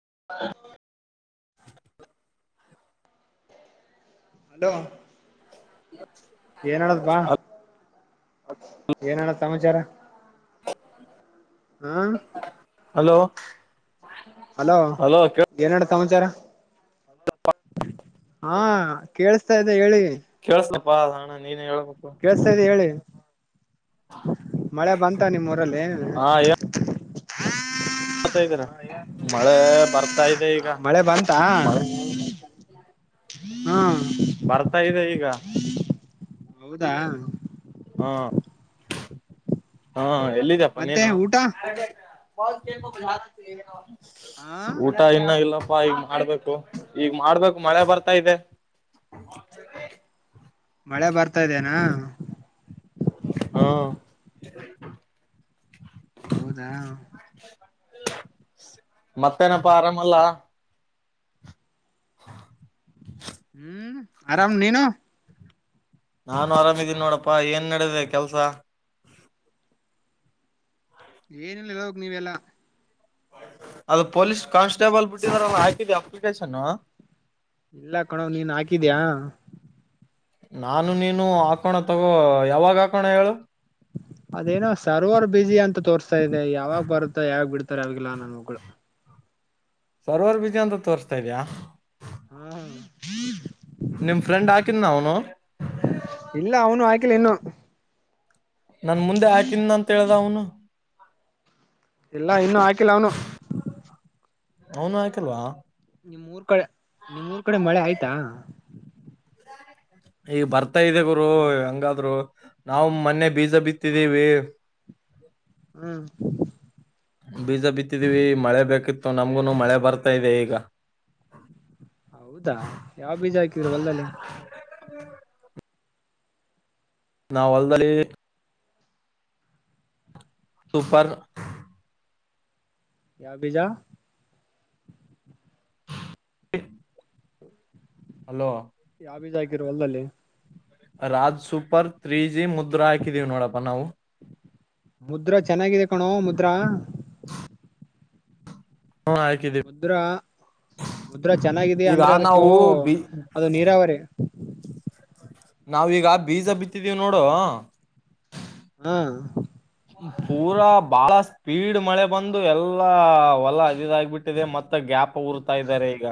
[unintelligible] [unintelligible] ಅದಾ [inaudible] [inaudible] ಹ [inaudible] ಏನ್ ಹೇಳ್ ಸಮಾಚಾರ. - [unintelligible] ಹಲೋ,, ಅಲೋ ಹಲೋ ಏನ್ಡ್ [unintelligible] ಸಮಾಚಾರ..... ಹಾ ಕೇಳಸ್ತಾ ಇದೇ ಹೇಳಿ. - ಕೇಳ ಸ್ [inaudible] ಬಾ.. ಅಣ ನಿನೇ ಹೇಳು. - ಕೇಮಸ್ತಾ ಇದೇ ಹೇಳಿ. - ಮಳೆ ಬಂತ ನಿಮ್ಮೂರಲ್ಲಿ. - [unintelligible] ಬರ್ತಾ ಇದ್ದೀನ ಮಳೇ... ಬರ್ತಾ ಇದೆ ಈಗ. - ಮಳೆ ಬಂತಾ [unintelligible] ಹಾ ಬರ್ತಾ ಇದೆ ಈಗ., - ಹೌದಾ... ಹ.. [unintelligible] [unintelligible] ಹಾ.. [inaudible] ಎಲ್ಲಿದಪ್ಪ ಮತ್ತೆ ನೀನು. - [inaudible] ಊಟ [inaudible] ಹ [unintelligible] ಊಟ ಇನ್ನಾಗಿಲ್ಲಪಾ,, - ಪ್ಪಾ ಈಗ ಮಾಡ್ಬೇಕು. ಈಗ ಮಾಡ್ಬೇಕು ಮಳೆ ಬರ್ತಾ ಇದೆ. - ಮಳೆ ಬರ್ತಾ ಇದ್ದೇನಾ [unintelligible] ಹ್ಮ [inaudible] [unintelligible] ಹೌದಾ.. ಹಹ [unintelligible] ಮತ್ತೇನಪ್ಪಾ ಆರಾಮಲ್ಲ, - [unintelligible] [unintelligible] ಹ್ಮ್, ಆರಾಮ್ ನೀನು. - ನಾನು ಆರಾಮಿದೀನಿ ನೋಡಪ್ಪಾ ಏನ್ ನಡೆದಿದೆ ಕೆಲ್ಸಹ, - ಏನಿಲ್ಲ ಹೇಳ್ಬೇಕು ನೀವೆಲ್ಲ. - ಅದು ಪೊಲೀಸ್ ಕಾನ್ಸ್ಟೇಬಲ್ ಬಿಟ್ಟಿದಾರಲ್ಲಾ ಹಾಕಿದ್ಯಾ ಅಪ್ಲಿಕೇಶನ್ನು. - ಇಲ್ಲಾ ಕಣ್ಯಾ ನೀನ್ ಹಾಕಿದ್ಯಾ, - ನಾನು ನೀನು ಹಾಕೋಣ ತಗೋ ಯಾವಾಗ ಹಾಕೋಣ ಹೇಳು. - ಅದೇನೋ ಸರ್ವರ್ ಬಸಿ ಅಂತ ತೋರ್ತಾ ಇದೆ. ಯಾವಾಗ ಬರುತ್ತೋ ಯಾವಾಗ್ ಬಿಡ್ತಾರ., ಯಾವಾಗಿಲ್ಲ ನನ್ ಮಗಳು- ಸರೋವರ್ ಬೀದಿ ಅಂತ ತೋರ್ಸ್ತಾ ಇದ್ಯಾ,. - ಹ್ಮ್ಲ ನಿಮ್ ಫ್ರೆಂಡ್ ಹಾಕಿದ ಅವನು ಇಲ್ಲ ಅವನು ಆಯ್ಕಿಲ್ಲ ಇನ್ನು ನನ್ ಮುಂದೆ ಹಾಕನ್ ಅಂತ ಹೇಳ್ದ ಅವನು ಇಲ್ಲ ಇನ್ನುೂ ಹಾಕಿಲ್ಲ ಅವನು ಅವನು ಆಯ್ಕಲ್ವಾ ನಿಮ್ಮ ಮೂಊರು ಕಡೆ ನಿಮ್ೂರ್ ಕಡೆ ಮಳೆ ಆಯ್ತಾ ಈಗ ಬರ್ತ ಮತ್ತ ಇದಗರು ಅಲೋ ಹಂಗಾದ್ರು ನಾವು ಮೊನ್ನೆ ಬೀಜ ಬಿತ್ತಿದ್ದೀವಿ ಹ್ಮ್ ಬೀಜ ಬಿತ್ತಿದೀವಿ ಮಳೆ ಬೇಕಿತ್ತು ನಮ್ಗುನು ಮಳೆ ಬರ್ತಾ ಇದೆ ಈಗ ಹೌದಾ ಯಾವ ಬೀಜ ಹಾಕಿದ್ರು ಹೊಲ್ದಲ್ಲಿ ನಾವವು ಹೊಲ್ದಲ್ಲಿ ಸಪರ್ ಯಾವ ಬೀಜ ಹ [unintelligible] ಹಲೋ ಯಿ ಜ ಹ ಒಲ್ಲಲ್ಲಿ ರಾಜ್ ಸೂಪರ್ ತ್ರೀ ಜಿ ಮುದ್ರಾ ಹಾಕಿದೀವಿ ನೋಡಪ್ಪಾ ನಾವು ಮುದ್ರಾ ಚೆನ್ನಾಗಿದೆ ಕಣೋ ಮುದ್ರಾ ಹ್ಮ ಹಾಕಿದೀವಿ ಮುದ್ರಾ ಮುದ್ರ ಚೆನ್ನಾಗಿದ ಈಗ ಅಂದ್ರೆ ಅದಕ್ಕೂ ನಾವು ಬಿ ಅದು ನೀರಾವರಿ ನಾವೀಗ ಬೀಜ ಬಿತ್ತಿದ್ದೀವಿ ನೋಡು ಹ್ಮ ಪೂರಾ ಬಾಳ ಸ್ಪೀಡ್ ಮಳೆ ಬಂದು ಎಲ್ಲಾ ಹೊಲ ಅದಿದಾಗಬಿಟ್ಟಿದೆ ಮತ್ತ ಗ್ಯಾಪ್ ಉರ್ತಾ ಇದ್ದಾರೆ ಈಗ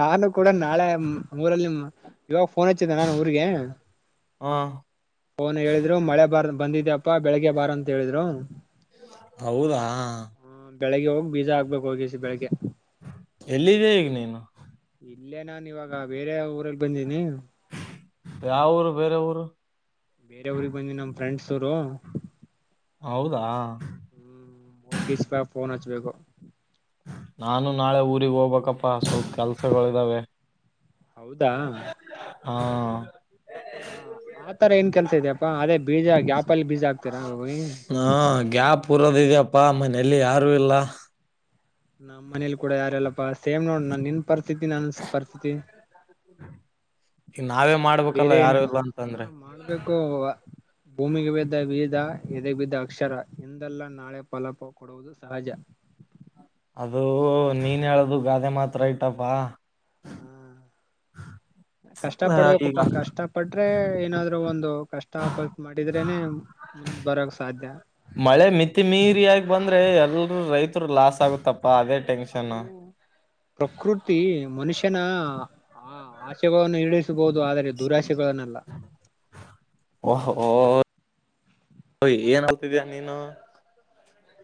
ನಾನು ಕೂಡ ನಾಳೆ ಊರಲ್ಲಿ ಇವಾಗ ಫೋನ್ ಹಚ್ಚಿದ್ದನೆ ನಾನು ಊರಿಗೆ ಹಾ ಅವನು ಹೇಳಿದ್ರು ಮಳೆ ಬಾರ ಬಂದಿದ್ಯಪ್ಪಾ ಬೆಳಿಗ್ಗೆ ಬಾರ ಅಂತ ಹೇಳಿದ್ರು ಹೌದಾ ಹ ಬೆಳಗ್ ಹೋಗಿ ಬೀಜ ಹಗ್ಬೇಕು ಹೋಗಿಸಿ ಬೆಳಗ್ಗೆ ಎಲ್ಲಿದೆ ಈಗ ನೀನು ಇಲ್ಲೇ ನಾನ್ ಇವಾಗ ಬೇರೆ ಊರಲ್ಲಿ ಬಂದೀನಿ ಯಾವ ಊರು ಬೇರೆ ಊರು ಬೇರೆಯವ್ರಿಗೆ ಬಂದಿ ನಮ್ ಫ್ರೆಂಡ್ಸ್ ಅವರು ಹೌದಾ ಹ್ಮ್ ಮಪ ಫೋನ್ ಹಚ್ಬೇಕು ನಾನು ನಾಳೆ ಊರಿಗೆ ಹೋಗಬಬೇಕ ಕಪಾ ಸ ಕಾಸ ಗ [inaudible] ಹೌದಾ ಹಾ ಹ ಆತರ ಏನ್ ಕೆಲ್ಸ ಇದ್ಯಪ್ಪಾ ಅದೇ ಬೀಜ ಗ್ಯಾಪ್ ಆಪಲ್ ಬೀಜ ಹಾಕ್ತೀರಾ ಪೂರದಿಗೆಪ್ಪಾ ಮನೆಯಲ್ಲಿ ಯಾರು ಇಲ್ಲ ನಮ್ಮಲಿ ಕೂಡ ಯಾರಲ್ಲಪ್ಪಾ ಸೇಮ್ ನೋಡ್ ನಾನ್ ನಿನ್ ಪರಿಸ್ಥಿತಿ ನಾನ ಪರಿಸ್ಥಿತಿ ಈಗ ನಾವೇ ಮಾಡ್ಬೇಕಲ್ಲ ಬೇರೆ ಯಾರು ಏನಲ್ಲ ಇಲ್ಲ ಹ ಅಂತಂದ್ರೆ ಮಾಡ್ಬೇಕು ಭೂಮಿಗೆ ಬೇದ ಬೀದ ಎದೆ ಬಿದ್ದ ಅಕ್ಷರ ಎಂದೆಲ್ಲಾ ನಾಳೆ ಫಲಾಪ ಕೊಡುವುದು ಸಹಜ ಅದು ನೀನ್ ಹೇಳದು ಗಾದೆ ಮಾತ್ರ ಐತಪ್ಪಾ [inaudible] ಹ್ಮ ಕಷ್ಟ ಈಗ ಪಡ್ಬೇಕಪ್ಪಾ ಕಷ್ಟ ಪಟ್ರೆ ಏನಾದ್ರು ಒಂದು ಕಷ್ಟಪ ಮಾಡಿದ್ರೇನೆ ಮುಂದ್ ಬರಕ್ ಸಾಧ್ಯ ನನ್ಕ ಎಲ್ ರೈತರು ಲಾಸ್ ಆಗುತ್ತಪ್ಪ ಅದೇ ಟೆನ್ಷನ್ ಅದು ಪ್ರಕೃತಿ ಮನುಷ್ಯ ಕ್ಷಣ ಹ ಆಶಯವನ್ನು ಇಡಿಸಬಹುದು [inaudible] ಓ ಹೊಯ್ ಅರ್ಥ ಏನ್ ಆಗ್ತಿದಯ ನೀನು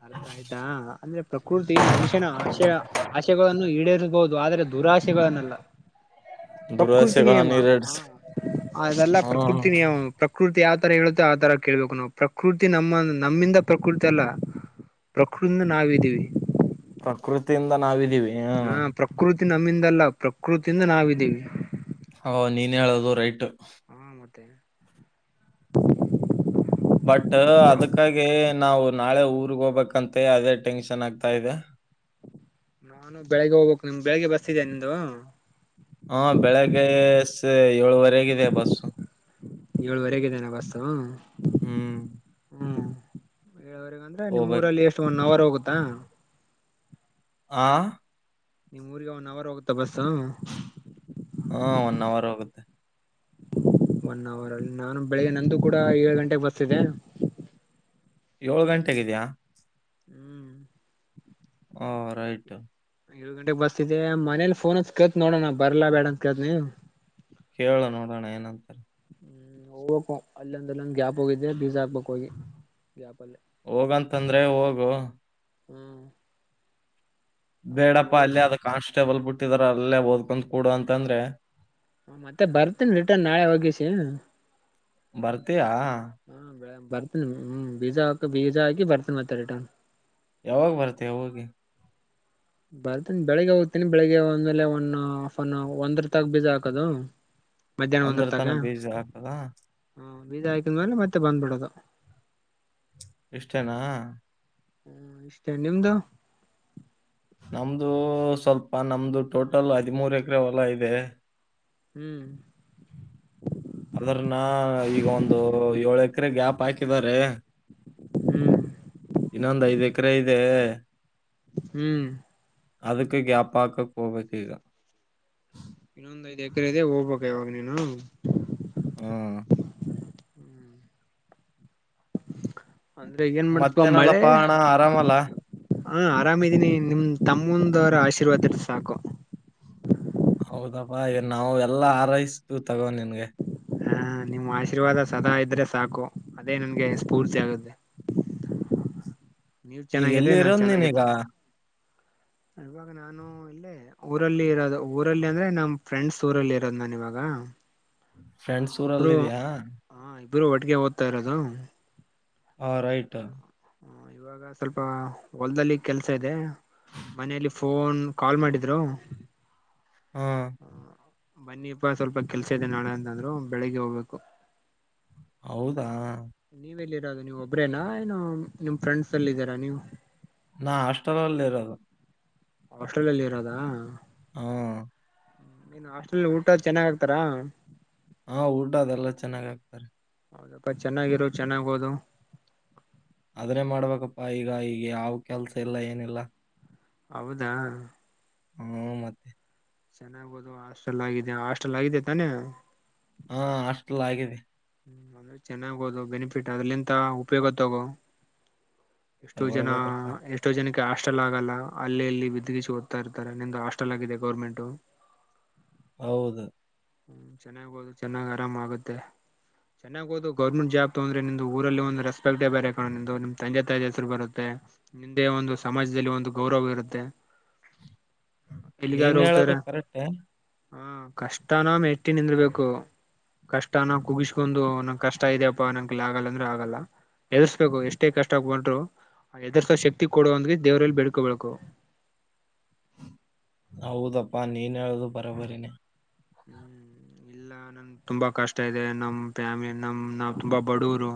ಅರ್ಥ ಆಯ್ತಾ ಅಂದ್ರೆ ಪ್ರಕೃತಿ ಮನುಷ್ಯನ ಆಶೆ ಆಶೆಗಳನ್ನು ಈಡೇ ಬಹುದು ಆದ್ರೆ ದುರಾಶೆಗಳನ್ನಲ್ಲ ಪ್ರಕೃತಿ ನಿಯಮ ದುರಾಸೆಗಳನ್ನ ಈಡೇರಿಸಿ ಹದೆಲ್ಲ ಹ್ಮ್ ಪ್ರಕೃತಿ ನಿಯಮ ಪ್ರಕೃತಿ ಯಾವ ಆ ತರ ಹೇಳುತ್ತೆ ಆ ತರ ಕೇಳ್ಬೇಕು ನಾವು ಪ್ರಕೃತಿ ನಮ್ಮ ನಮ್ಮಿಂದ ಪ್ರಕೃತಿ ಅಲ್ಲ ಪ್ರಕೃತಿಯಿಂದ ನಾವ ಇದ್ದೀವಿ ಪ್ರಕೃತಿಯಿಂದ ನಾವಿದೀವಿ ಹಾ ಹ್ಮ್ ಪ್ರಕೃತಿ ಪ್ರಕೃತಿ ನಮ್ಮಿಂದಲ್ಲ ಪ್ರಕೃತಿಯಿಂದ ನಾವಿದ್ದೀವಿ ಹ ನೀನ್ ಹೇಳೋದು ರೈಟ್ ಹಾ ಮತ್ತೆ [inaudible] ಬಟ್ ಅದಕ್ಕಾಗಿ ನಾವು ನಾಳೆ ಊರ್ಗ್ ಹೋಗ್ಬೇಕಂತ ಅದೇ ಟೆನ್ಷನ್ ಆಗ್ತಾ ಇದೆ ನಾನು ಬೆಳಿಗ್ಗೆ ಹೋಗ್ಬೇಕು ನಿಮ ಬೆಳಿಗ್ಗೆ ಬರ್ತಿದ್ದೇನೆ ನಿದ ಹಾ ಬೆಳಿಗ್ಗೆ ಏಳುವರೆಗಿದೆ ಬಸ್ಸು ಏಳುವರೆಗೆ ಇದೇನೆ ಬಸ್ಸು ಹ್ಮ್ ಏಳವರೆಗ ಅಂದ್ರೆ ನಿಮ್ ಹೋಗ್ಬೇಕು ಊರಲ್ಲಿ ಎಷ್ಟು ಒಂದ ಅವರ್ ಹೋಗುತ್ತಾ ಆ ನಿಮ್ ಊರಿಗೆ ಒನ್ ಅವರ್ ಹೋಗುತ್ತ ಬಸ್ ಹಾ ಒನ್ ಅವರ್ ಹೋಗುತ್ತೆ ಒನ್ ಅವರ್ ಅಲ್ಲಿ ನಾನು ಬೆಳಿಗ್ಗೆ ನಂದು ಕೂಡ ಏಳು ಗಂಟೆಗೆ ಬಸ್ಸಿದೆ ಏಳ ಗಂಟೆಗಿದ್ಯಾ ಹ್ಮ್ ಹ್ಮ್ ರೈಟ್ ಏಳ ಗಂಟೆಗೆ ಬಸ್ತಿದೆ ಮನೇಲಿ ಫೋನ್ ಹಚ್ಚಿ ಕೇಳ್ತೀನಿ ನೋಡೋಣ ನನ್ ಬರ್ಲಾ ಬೇಡ ಅಂತ ಕೇಳ್ತೀನಿ ಕೇಳ ನೋಡೋಣ ಏನಂತಾರೆ ಹ್ಮ್ ಹೋಗ್ಕು ಅಲ್ಲೊಂದು ಅಲ್ಲೊಂದು ಒಂದ ಗ್ಯಾಪ್ ಹೋಗಿದ್ದೆ ಬೀಜಾ ಹೋಗಂತಂದ್ರೆ ಹೋಗು ಹ್ಮ್ ಬೇಡಪ್ಪಾ ಹೋಗ್ಬೇಕು ಅಲ್ಲಿ ಆದ ಕಾನ್ಸ್ಟೇಬಲ್ ಬಿಟ್ಟ [unintelligible] ಅಲ್ಲೇ ಓದ್ಕೊಂಡು ಕೂಡು ಅಂತ ಅಂದ್ರೆ ಹಾ ಮತ್ತೆ ಬರ್ತೀನಿ ರಿಟರ್ನ್ ನಾಳೆ ಹೋಗಿಸಿ ಬರ್ತೀಯ ಹಾ ಬೆಳಗ್ಗೆ ಬರ್ತನಿ ಹ್ಮ್ ಬೀಜ ಹಾಕ ಬೀಜ ಹಾಕಿ ಬರ್ತನಿ ಮತ್ತ ರಿಟರ್ನ್ ಯಾವಾಗ ಬರ್ತೀಯ ಹೋಗಿ ಬರ್ತೇನಿ ಬೆಳಿಗ್ಗೆ ಹೋಗ್ತೇನಿ ಬೆಳಿಗ್ಗೆ ಒಂದ್ಮೇಲೆ ಒಂದ ಹಫ್ನ್ ಒಂದರ ತಾಗ ಬೀಜ ಹಾಕದು ಒಂದರ ತನ ಬೀಜ ಹಾಕದಾ ಹ ಬೀಜ ಹಾಕಿದ ಮೇಲೆ ಮತ್ತೆ ಬಂದ್ಬಿಡೋದು ಇಷ್ಟೇನಾ ಹ್ಮ್ ಇಷ್ಟೇ ನಿಮ್ದು ನಮ್ದು ಸ್ವಲ್ಪ ನಮ್ದು ಟೋಟಲ್ ಹದಿಮೂರು ಎಕರೆ ಹೊಲ ಇದೆ ಹ್ಮ್ ಅದ್ರನ್ನ ಈಗ ಒಂದು ಏಳು ಎಕರೆ ಗ್ಯಾಪ್ ಹಾಕಿದಿದ್ದಾರೆ ಹ್ಮ್ ಇನ್ನೊಂದ್ ಐದ್ ಎಕರೆ ಇದೆ ಹ್ಮ್ ಅದಕ್ಕೆ ಗ್ಯಾಪಾಕ ಹೋಗ್ಬೇಕು ಈಗ ಇನ್ನೊಂದ್ ಐದು ಎಕರೆ ಇದೆ ಹೋಗ್ಬೇಕ ಇವಾಗ ನೀನು ಹಾ ಅಂದ್ರೆ ಏನ್ ಮಾಡ್ತಪ ಮತ್ತೇನಲ್ಲಪ್ಪ ಅಣ್ಣ ಆರಾಮಲ್ಲ ಹಾ ಆರಾಮಿದೀನಿ ನಿಮ ತಮ್ಮಂದವರ ಆಶೀರ್ವಾದ ಇದ್ರೆ ಸಾಕು ಹೌದಪ್ಪಾ ಈಗ ನಾವು ಎಲ್ಲಾ ಆರೈಸ್ತೀವಿ ತಗೋ ನಿನ್ಗೆ ಹಾ ನಿಮ್ಮ ಆಶೀರ್ವಾದ ಸದಾ ಇದ್ರೆ ಸಾಕು ಅದೇ ನನ್ಗೆ ಸ್ಫೂರ್ತಿ ಆಗುತ್ತೆ ನೀವ್ ಈಗ ಚೆನ್ನಾಗಿದ್ರೆ ಎಲ್ಲಿ ನಾನ್ ಇರೋದು ನಿನಿಂಗ ಚೆನ್ನಾಗಿದ್ದೆ ಇವಾಗ ನಾನು ಇಲ್ಲೇ ಊರಲ್ಲಿ ಇರೋದು ಊರಲ್ಲಿ ಅಂದ್ರೆ ನಮ್ಮ್ ಫ್ರೆಂಡ್ಸ್ ಊರಲ್ಲಿ ಇರೋದು ನನ್ ಇವಾಗ ಫ್ರೆಂಡ್ಸ್ ಊರಲ್ಲ ಇಬ್ರು ಇದ್ಯಾ ಹ ಇಬ್ರು ಒಟ್ಟಿಗೆ ಓದ್ತಾ ಇರೋದು ಹಾ ರೈಟ ಹ್ಮ್ ಇವಾಗ ಸ್ವಲ್ಪ ಹೊಲ್ದಲ್ಲಿ ಕೆಲ್ಸ ಇದೆ ಮನೆಯಲ್ಲಿ ಫೋನ್ ಕಾಲ್ ಮಾಡಿದ್ರು ಹ್ಮ ಬನ್ನಿಪ್ಪ ಸ್ವಲ್ಪ ಕೆಲ್ಸ ಇದೆ ನಾಳೆ ಅಂತಂದ್ರು ಬೆಳಿಗ್ಗೆ ಹೋಗ್ಬೇಕು ಹೌದಾ ಲ್ಲಿ ಇರೋದು ನೀವುಒಬ್ರೇನಾ ಏನು ನಿಮ್ ಫ್ರೆಂಡ್ಸ್ ಎಲ್ಲ ಇದೀರಾ ನೀವು ನಾ ಹಾಸ್ಟೆಲಲ್ಲಿ ಇರೋದು ಹಾಸ್ಟೆಲ್ ಇರೋದಾ ಹ್ಮ ನೀನ್ ಹಾಸ್ಟೆಲ್ ಊಟ ಚೆನ್ನಾಗ್ ಆಗ್ತಾರಾ ಹಾ ಊಟ ಅದೆಲ್ಲ ಚೆನ್ನಾಗ್ ಆಕ್ತಾರೆ ಹೌದಕ್ಕ ಚೆನ್ನಾಗಿರೋ ಚೆನ್ನಾಗ ಓದು ಆದ್ರೆ ಮಾಡ್ಬೇಕಪ್ಪಾ ಈಗ ಈಗ ಯಾವ ಕೆಲ್ಸ ಇಲ್ಲ ಏನಿಲ್ಲ ಹೌದಾ ಹ್ಮ ಮತ್ತೆ ಚೆನ್ನಾಗಬೋದು ಹಾಸ್ಟೆಲ್ ಆಗಿದೆ ಹಾಸ್ಟೆಲ್ ಆಗಿದೆ ತಾನೆ ಹಾ ಹಾಸ್ಟೆಲ್ ಲಾಗಿದೆ ಹ್ಮ ಅಂದೆ ಚೆನ್ನಾಗೋದು ಬೆನಿಫಿಟ್ ಅದಲಿಂತ ಉಪಯೋಗ ತಗೋ ಎಷ್ಟೋ ಜನ ತಗೊಳ್ಬೇಕಪ್ಪ. ಎಷ್ಟೋ ಜನಕ್ಕೆ ಹಾಸ್ಟೆಲ್ ಆಗಲ್ಲ ಅಲ್ಲಿ ಇಲ್ಲಿ ಬಿದಗಿಸಿ ಓದ್ತಾ ಇರ್ತಾರೆ ನಿಂಗೆ ಹಾಸ್ಟೆಲ್ ಆಗಿದೆ ಗೌರ್ಮೆಂಟ್ ಹೌದು ಹ್ಮ ಚೆನ್ನಾಗಿ ಓದುಚೆನ್ನಾಗ್ ಆರಾಮ ಆಗುತ್ತೆ ಚೆನ್ನಾಗಿ ಓದು ಗೌರ್ಮೆಂಟ್ ಜಾಬ್ ತೊಂದ್ರೆ ನಿಮ ಊರಲ್ಲಿ ಒಂದು ರೆಸ್ ಬೇರೆ ಕಡೆ [unintelligible] ನಿಮ್ಮ ತಂದೆ ತಾಯಿ ಬರುತ್ತೆ ನಿಂದೆ ಒಂದು ಸಮಾಜದಲ್ಲಿ ಒಂದು ಗೌರವ ಇರುತ್ತೆ ನೀನ್ ಹೇಳೋದು ಕರೆಕ್ಟೇ ಹ್ಮ ಕಷ್ಟ ತ ನಾಮ್ ಎತ್ತಿ ನಿಂದ್ರೀಬೇಕು ಕಷ್ಟ ನ ಕುಗ್ಗಿ ಸಕೊಂಡು ನಂ ಕಷ್ಟ ಇದೆಯಪ್ಪಾ ನಂಗೆಲ್ಲ ಆಗಲ್ಲ ಅಂದ್ರೆ ಆಗಲ್ಲ ಎದರ್ಸ್ಬೇಕು ಎಷ್ಟೇ ಕಷ್ಟ ಆಗ್ಬೊಂಡರು ಆ ಎದರ್ಸೋ ಶಕ್ತಿ ಕೊಡುವ ಅಂತ ಣಖದೇವ್ರಲ್ಲಿ ಬೇಡ್ಕೊಬೇಕು ಹೌದಪ್ಪಾ ನೀನ್ ಹೇಳದು ಬರೋಬರಿನೇ ಹ್ಮ್ ಇಲ್ಲ ನಮ್ಮಗೆ ತುಂಬಾ ಕಷ್ಟ ಇದೆ ನಮ್ ಫ್ಯಾಮಿಲಿ ನಮ್ ನಾವ್ ತುಂಬಾ ಬಡವರು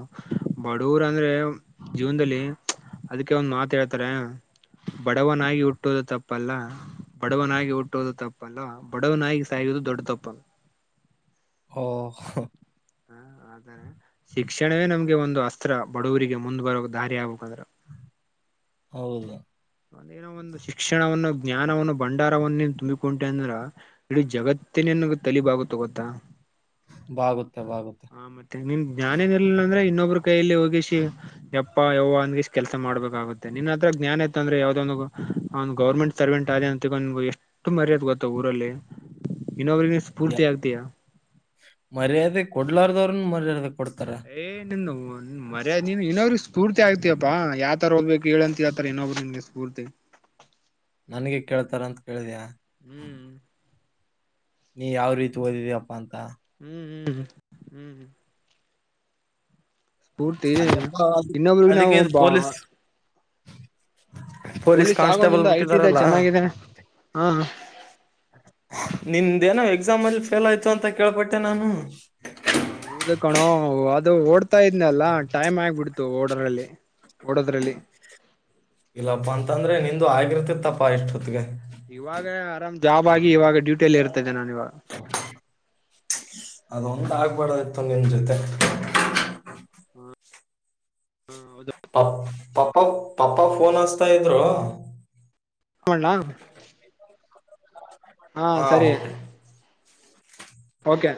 ಬಡವರ್ ಅಂದ್ರೆ ಜೀವನದಲ್ಲಿ ಅದಕ್ಕೆ ಒಂದ್ ಮಾತ ಹೇಳ್ತಾರೆ ಬಡವನಾಗಿ ಹುಟ್ಟೋದು ತಪ್ಪಲ್ಲ ಬಡವನಾಗಿ ಹುಟ್ಟೋದು ತಪ್ಪಲ್ಲ ಬಡವನಾಗಿ ಸಾಯುವುದು ದೊಡ್ಡ ತ ದಪ್ಪನ್ ಓಹೋ ಹ ಆದರೆ ಶಿಕ್ಷಣವೇ ನಮ್ಗೆ ಒಂದು ಅಸ್ತ್ರ ಬಡವರಿಗೆ ಮುಂದ ಬರೋ ದಾರಿ ಆಗ್ಬೇಕಂದ್ರೆ ಹೌದು ಒಂದೇನೋ ಒಂದು ಶಿಕ್ಷಣವನ್ನು ಜ್ಞಾನವನ್ನು ಭಂಡಾರವನ್ನೇನ್ ತುಂಬಿಕೊಂಟೆ ಅಂದ್ರೆ ಇಡೀ ಜಗತ್ತೆ ನಿನ್ನಗೆ ತಲಿಬಾಗುತೆ ಗೊತ್ತ ಬಾಗುತ್ತೆ, ಬಾಗುತ್ತೆ. ಹ ಮತ್ತೆ ನಿಮ್ಮ ಜ್ಞಾನ ಬರರ್ಲಿಲ್ಲ ಅಂದ್ರೆ ಇನ್ನೊ ಕೈಯಲ್ಲಿ ಹೋಗಿಸಿ ಬ ಹೋ ಅನ್ನ ಇಷ್ಟ ಕೆಲ್ಸ ಮಾಡಬೇಕಾಗುತ್ತೆ ನಿನ್ ಹತ್ರ ಜ್ಞಾನ ಇಂದ್ರೆ ಯಾವದೋ ಒ ಒ ಗೌರ್ಮೆಂಟ್ ಸರ್ವೆಂಟ್ ಆದ ಅಂತಗೊಂಡ ಎಷ್ಟು ಮರ್ಯಾದೆ ಗೊತ್ತ ಊರಲ್ಲಿ ಇನ್ನೊಬ್ರಿಗೆ ಯ ಸ್ಫೂರ್ತಿ ಆಗ್ತೀಯಾ ಮರ್ಯಾದೆ ಕೊಡ್ಲಾರ್ದ ಮರ್ಯಾದೆ ಕೊಡ್ತಾರೆ ನಿ ಒಂದ್ ಮರ್ಯಾದೆ ನೀ ಇನ್ನ್ರ ಸ್ಫೂರ್ತಿ ಆಗ್ತಯಪ್ಪಾ ಯಾವತರ ಹೋ ಕೇಳಂತಿರತಾರೆ ಏನು ಮೂರ್ತಿ ನನ್ಗೆ ಕೇಳ್ತಾರ ಅಂತ ಕೇಳಿದಯ ಹ್ಮ್ ನೀ ಯಾವ್ ರೀತಿ ಓದಿದೀಪ್ಪಾ ಅಂತ ಹ್ಮ್ ಹ್ಮ್ ಹ್ಮ್ ಹ್ಮ್ ಹ್ಮ್ ಸ್ಫೂರ್ತಿ ಅದೆಪ್ಪ ಅದು ಇನ್ನೊಬ್ರಿಗೆ ನಾವು ಅದಕ್ಕೆ ಇದು ಬಾ ಪೊಲೀಸ್ ಪೊಲೀಸ್ ಆಗೋ ಕಾನ್ಸ್ಟೇಬಲ್ ನಿಂದು ಐಟ ಬಿಟ್ಟಿದಾರಲ್ಲ, ಚೆನ್ನಾಗಾಗಿದೆೇ ಹಾ ನಿಂದೇನೋ ಎಕ್ಸಾಮ್ ಅಲ್ಲಿ ಫೇಲ್ ಆಯ್ತು ಅಂತ ಕೇಳ್ಪಟ್ಟೆ ನಾನು ಹೌದು ಕಣೋ ಅದು ಓಡ್ತಾ ಇದ್ನಲ್ಲಾ ಟೈಮ್ ಆಗ್ಬಿಡ್ತು ಓಡ್ರಲ್ಲಿ ಓಡೋದ್ರಲ್ಲಿ ಇಲ್ಲಪ್ಪಾ ಅಂತಂದ್ರೆ ನಿಂದು ಆಗಿರ್ತಿತ್ತಪ್ಪಾ ಎಷ್ಟೊತ್ತಿಗೆ ಇವಾಗ ಆರಾಮ್ ಜಾಬ್ ಆಗಿ ಇವಾಗ ಡ್ಯೂಟಿ ಇಲ್ಲಿ ಇರ್ತೇದೆ ನಾನ ಇವಾಗ ಅದೊಂದ ಆಗ್ಬಾರದ ಇತ್ತುು ನಿಮ್ಮ ಜೊತೆ ಹ್ಮ ಹ್ಮ ಪ ಪಪ ಪಪ್ಪ ಫೋನ್ ಹಚ್ತಾ ಇದ್ರು ಹ್ಣಾ ಹಾ ಕೆ ಓಕೆ